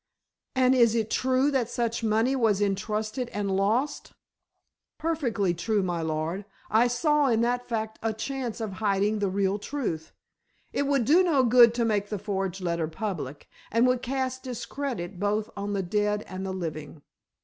"And is it true that such money was entrusted and lost?" "Perfectly true, my lord. I saw in that fact a chance of hiding the real truth. It would do no good to make the forged letter public and would cast discredit both on the dead and the living.